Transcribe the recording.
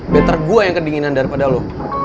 better gua yang kedinginan daripada lu